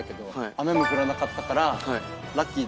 雨も降らなかったからラッキー。